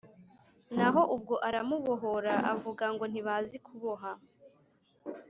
Naho ubwo aramubohora, avuga ngo ntibazi kuboha